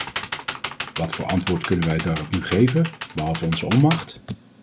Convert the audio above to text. Wat voor antwoord kunnen wij daarop nu geven, behalve onze onmacht?